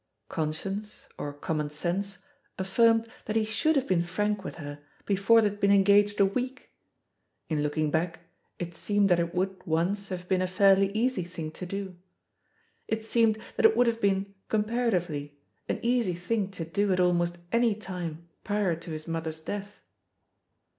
Conscience, or comumon sense aflSrmed that he should have been frank with her before they had been engaged a week. In look ing back, it seemed that it would, once, have been a fairly easy thing to do. It seemed that it would have been, comparatively, an easy thing to do at almost any time prior to his mother's death.